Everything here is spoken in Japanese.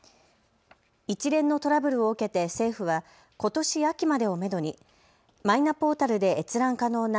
一連のトラブルを受けて政府はことし秋までをめどにマイナポータルで閲覧可能な